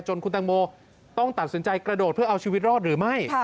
คุณตังโมต้องตัดสินใจกระโดดเพื่อเอาชีวิตรอดหรือไม่